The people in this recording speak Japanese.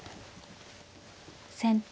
先手